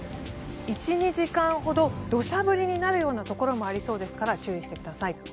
１２時間ほど土砂降りになるようなところもありそうですから注意してください。